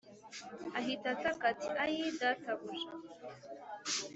Ahita ataka ati ayii databuja